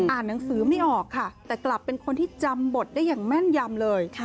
หนังสือไม่ออกค่ะแต่กลับเป็นคนที่จำบทได้อย่างแม่นยำเลย